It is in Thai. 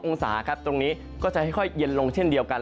องศาครับตรงนี้ก็จะค่อยเย็นลงเช่นเดียวกัน